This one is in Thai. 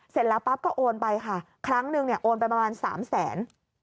เสร็จแล้วปั๊บก็โอนไปค่ะครั้งนึงเนี่ยโอนไปประมาณสามแสน